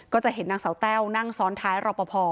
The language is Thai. ก็จะเห็นนางสาวแต้วนั่งซ้อนท้ายรอปภ